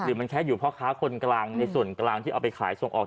มันแค่อยู่พ่อค้าคนกลางในส่วนกลางที่เอาไปขายส่งออก